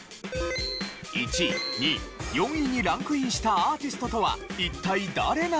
１位２位４位にランクインしたアーティストとは一体誰なのか？